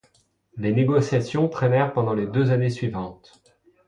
Les négociations traînèrent pendant les deux années suivantes.